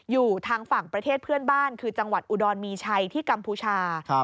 อยู่ทางฝั่งประเทศเพื่อนบ้านคือจังหวัดอุดรมีชัยที่กัมพูชา